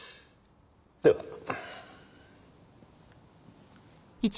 では。